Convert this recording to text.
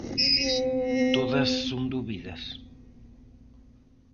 Todas son dúbidas.